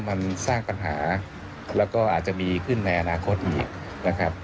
มันสร้างปัญหาแล้วก็อาจจะมีขึ้นในอนาคตอีกนะครับ